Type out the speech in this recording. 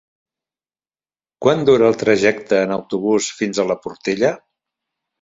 Quant dura el trajecte en autobús fins a la Portella?